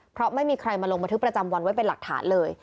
เพราะไม่มีใครมาลงบันทึกประจำวันไว้เป็นหลักฐานเลย